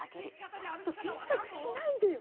ちょっと検索しないでよ。